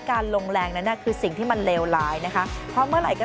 ลงแรงนั้นน่ะคือสิ่งที่มันเลวร้ายนะคะเพราะเมื่อไหร่ก็